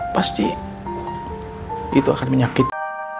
pasti itu akan menyakiti